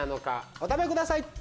お食べください。